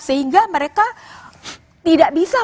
sehingga mereka tidak bisa mencari kekuasaan